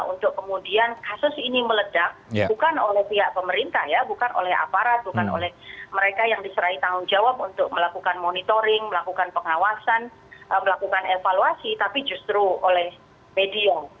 untuk kemudian kasus ini meledak bukan oleh pihak pemerintah ya bukan oleh aparat bukan oleh mereka yang diserai tanggung jawab untuk melakukan monitoring melakukan pengawasan melakukan evaluasi tapi justru oleh medium